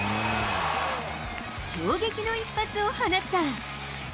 衝撃の一発を放った。